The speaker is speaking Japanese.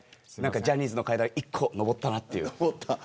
ジャニーズの階段を一歩、登ったなっていう。